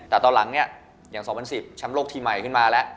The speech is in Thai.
แต่ตอนหลังเนี่ยอย่าง๒๐๑๐แชมป์โลกทีใหม่ขึ้นมาแล้ว